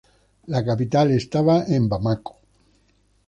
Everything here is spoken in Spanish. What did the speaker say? La capital estaba en Bamako.